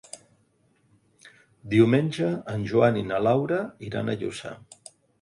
Diumenge en Joan i na Laura iran a Lluçà.